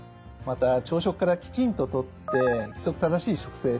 また朝食からきちんととって規則正しい食生活も重要です。